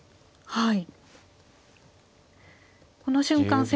はい。